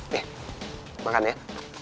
nih makan ya